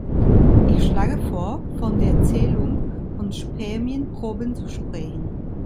Ich schlage vor, von der Zählung von Spermienproben zu sprechen.